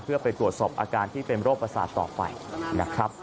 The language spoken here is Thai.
เพื่อไปตรวจสอบอาการที่เป็นโรคประสาทต่อไปนะครับ